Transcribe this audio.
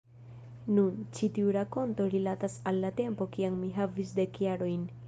Nun, ĉi tiu rakonto rilatas al la tempo kiam mi havis dek jarojn.